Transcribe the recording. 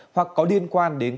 hoặc có liên quan đến các thông tin